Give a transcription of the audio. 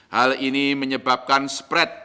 hal ini menyebabkan spret